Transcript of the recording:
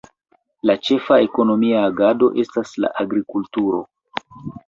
La ĉefa ekonomia agado estas la agrikulturo.